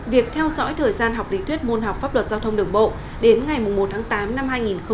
việc theo dõi thời gian học lý thuyết môn học pháp luật giao thông đường bộ đến ngày một tháng tám năm hai nghìn hai mươi